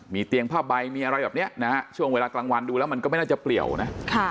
เตียงผ้าใบมีอะไรแบบนี้นะฮะช่วงเวลากลางวันดูแล้วมันก็ไม่น่าจะเปลี่ยวนะ